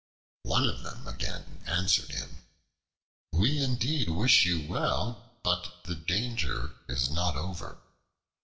One of them again answered him: "We indeed wish you well, but the danger is not over.